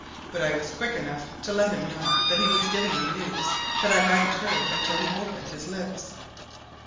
But I was quick enough to let him know that he was giving me news that I hadn't heard until he opened his lips.